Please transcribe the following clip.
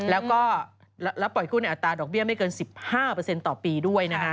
แล้วก็ปล่อยกู้ในอัตราดอกเบี้ยไม่เกิน๑๕ต่อปีด้วยนะคะ